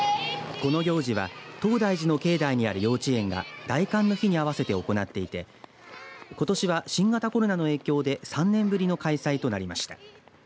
この行事は東大寺の境内にある幼稚園が大寒の日に合わせて行っていてことしは新型コロナの影響で３年ぶりの開催となりました。